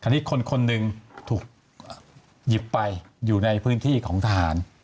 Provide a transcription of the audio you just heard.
อันนี้คนหนึ่งถูกหยิบไปอยู่ในพื้นที่ของทหาร